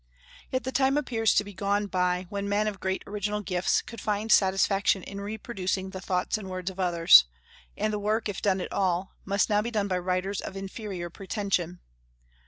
Yet the time appears to be gone by when men of great original gifts could find satisfaction in reproducing the thoughts and words of others; and the work, if done at all, must now be done by writers of inferior pretension.